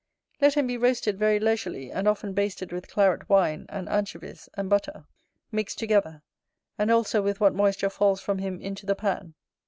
Let him be roasted very leisurely; and often basted with claret wine, and anchovies, and butter, mixt together; and also with what moisture falls from him into the pan.